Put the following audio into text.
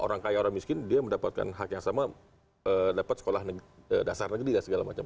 orang kaya orang miskin dia mendapatkan hak yang sama dapat sekolah dasar negeri dan segala macam